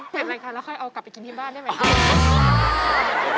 เสร็จเลยค่ะแล้วค่อยเอากลับไปกินที่บ้านได้ไหม